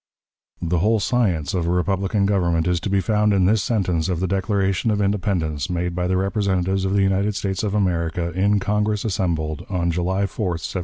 The whole science of a republican government is to be found in this sentence of the Declaration of Independence, made by the representatives of the United States of America, in Congress assembled, on July 4, 1776.